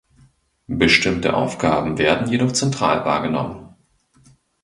Bestimmte Aufgaben werden jedoch zentral wahrgenommen.